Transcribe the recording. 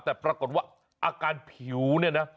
แต่ปรากฏว่าอาการผิวเนี่ยนะ